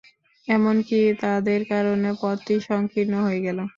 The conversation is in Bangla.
এমনকি তাদের কারণে পথটি সংকীর্ণ হয়ে গেল।